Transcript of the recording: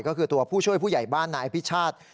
ก็คือตัวผู้ช่วยผู้ใหญ่บ้านนายอภิชาติ